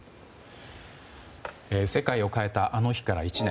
世界を変えたあの日から１年。